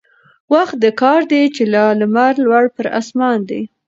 وخت د كار دى چي لا لمر لوړ پر آسمان دى